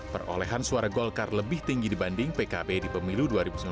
perolehan suara golkar lebih tinggi dibanding pkb di pemilu dua ribu sembilan belas